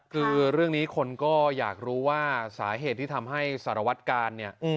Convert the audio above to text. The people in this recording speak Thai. คือเรื่องนี้คนก็อยากรู้ว่าสาเหตุที่ทำให้สารวัตกาลเนี่ย